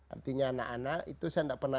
artinya anak anak itu saya tidak pernah